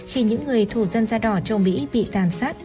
khi những người thù dân da đỏ châu mỹ bị tàn sát